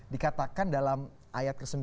dikatakan dalam ayat ke sembilan